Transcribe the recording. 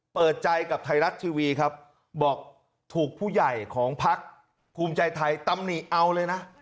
เปิดใจกับไทยรัฐทีวีครับบอกถูกผู้ใหญ่ของพักภูมิใจไทยตำหนิเอาเลยนะ